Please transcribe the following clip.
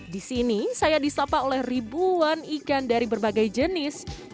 di sini saya disapa oleh ribuan ikan dari berbagai jenis